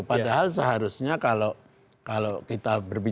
padahal seharusnya kalau kita menggunakan transisi demokrasi